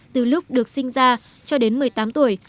từ lúc được sinh ra cho đến một mươi tám tuổi